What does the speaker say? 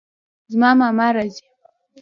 زما ماما راځي